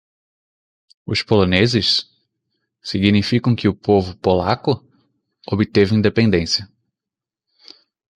Os poloneses? significam que o povo polaco? obteve independência.